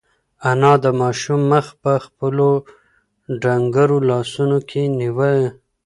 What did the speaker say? انا د ماشوم مخ په خپلو ډنگرو لاسونو کې ونیو.